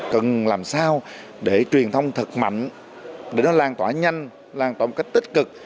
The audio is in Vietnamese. cần làm sao để truyền thông thật mạnh để nó lan tỏa nhanh lan tỏa một cách tích cực